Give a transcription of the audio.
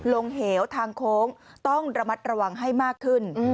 ลงเหวทางโค้งต้องระมัดระวังให้มากขึ้น